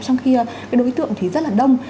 trong khi đối tượng thì rất là đông